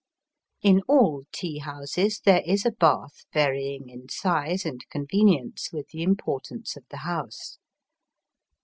In all tea houses there is a bath varying in size and convenience with the importance of the house.